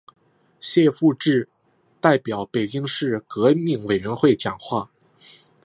谢富治代表北京市革命委员会讲话。